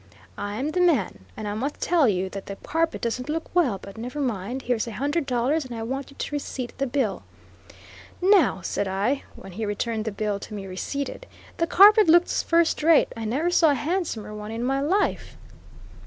"I'm the man, and I must tell you that the carpet doesn't look well; but never mind here's a hundred dollars, and I want you to receipt the bill." "Now," said I, when he returned the bill to me receipted, "the carpet looks firstrate; I never saw a handsomer one in my life."